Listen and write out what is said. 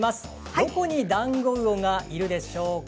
どこにダンゴウオがいるでしょうか